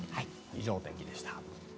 以上お天気でした。